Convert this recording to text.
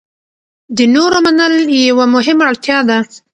د نورو منل یوه مهمه اړتیا ده.